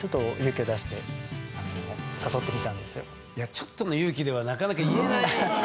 ちょっとの勇気ではなかなか言えない。